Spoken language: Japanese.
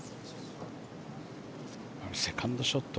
セカンドショット